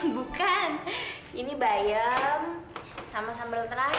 bukan ini bayam sama sambal terang